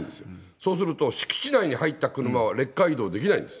そうすると、敷地内に入った車はレッカー移動できないんです。